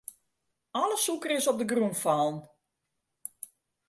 Alle sûker is op de grûn fallen.